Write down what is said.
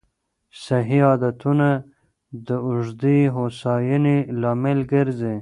صحي عادتونه د اوږدې هوساینې لامل ګرځي.